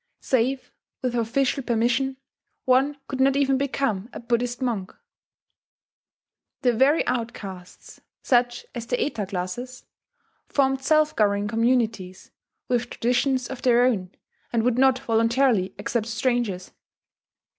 Save with official permission, one could not even become a Buddhist monk. The very outcasts such as the Eta classes formed self governing communities, with traditions of their own, and would not voluntarily accept strangers.